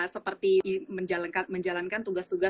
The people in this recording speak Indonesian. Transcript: seperti menjalankan tugas tugas